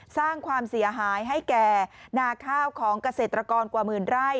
สร้างความเสียหายให้แก่นาข้าวของเกษตรกรกว่าหมื่นไร่